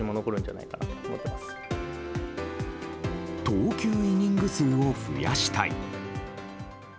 投球イニング数を増やしたい。